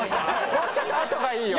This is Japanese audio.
もうちょっとあとがいいよ。